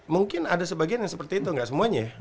mungkin ada sebagian yang seperti itu nggak semuanya